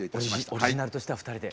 オリジナルとしては２人で。